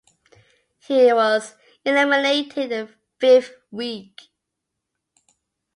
He was eliminated in the fifth week.